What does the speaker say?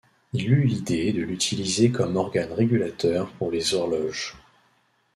Il eut l'idée de l'utiliser comme organe régulateur pour les horloges.